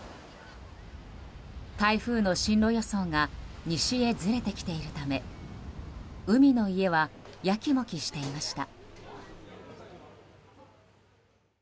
台風の進路予想が西へずれてきているため海の家はやきもきしていました。